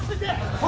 はい！